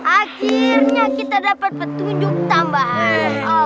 akhirnya kita dapat petunjuk tambahan